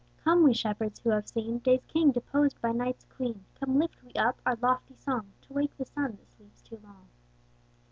COME we shepherds who have seen Day's king deposed by Night's queen. Come lift we up our lofty song, To wake the Sun that sleeps too long.